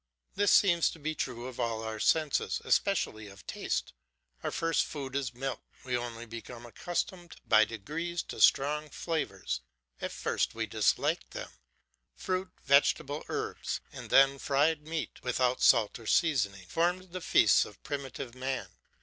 This seems to be true of all our senses, especially of taste. Our first food is milk; we only become accustomed by degrees to strong flavours; at first we dislike them. Fruit, vegetables, herbs, and then fried meat without salt or seasoning, formed the feasts of primitive man.